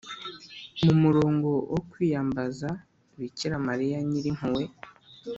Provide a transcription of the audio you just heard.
mu murongo wo kwiyambaza Bikira Mariya nyiri mpuhwe